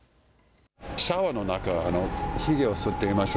シャワーの中でひげをそっていました。